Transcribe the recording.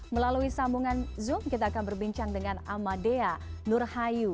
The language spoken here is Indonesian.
melalui sambungan zoom kita akan berbincang dengan amadea nurhayu